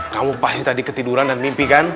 kamu pasti tadi ketiduran dan mimpi kan